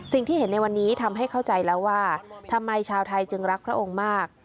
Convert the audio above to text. สิ่งที่เห็นในวันนี้ทำให้เข้าใจแล้วว่าทำไมชาวไทยจึงรักพระองค์มาก